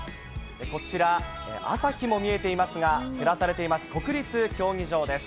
こちら、朝日も見えていますが、照らされています国立競技場です。